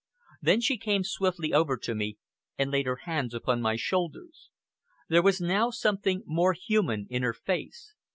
Then she came swiftly over to me and laid her hands upon my shoulders. There was now something more human in her face.